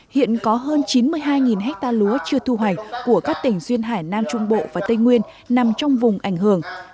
hiện có hơn chín mươi hai ha lúa chưa thu hoạch của các tỉnh duyên hải nam trung bộ và tây nguyên nằm trong vùng ảnh hưởng